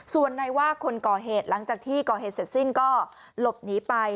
ส่วนในว่าคนก่อเหตุหลังจากที่ก่อเหตุเสร็จสิ้นก็หลบหนีไป